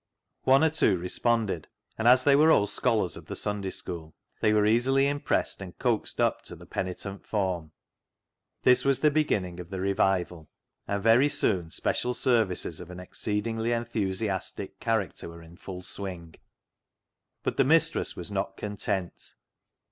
One or two responded, and as they were old scholars of the Sunday School, they were easily impressed and coaxed up to the penitent form. This was the beginning of the revival, and very soon special services of an exceedingly enthusiastic character were in full swing. But the mistress was not content.